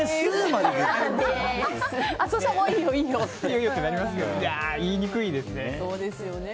まあ、言いにくいですよね。